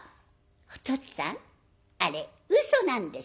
「おとっつぁんあれうそなんです」。